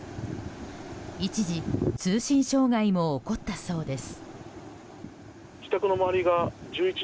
一時、通信障害も起こったそうです。